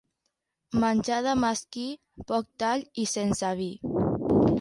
Menjar de mesquí, poc tall i sense vi.